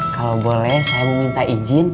kalau boleh saya meminta izin